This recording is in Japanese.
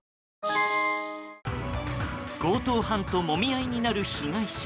強盗犯ともみ合いになる被害者。